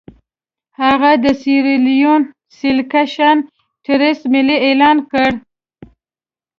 هغه د سیریلیون سیلکشن ټرست ملي اعلان کړ.